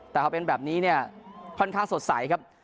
แต่พอเป็นแบบนี้เนี่ยค่อนข้างสดใสครับ